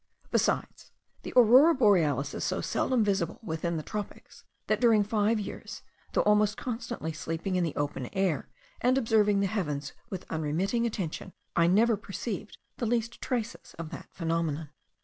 Besides, the Aurora Borealis is so seldom visible within the tropics, that during five years, though almost constantly sleeping in the open air, and observing the heavens with unremitting attention, I never perceived the least traces of that phenomenon.